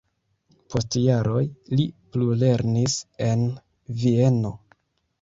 Post jaroj li plulernis en Vieno.